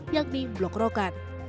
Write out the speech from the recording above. yakni blok rokan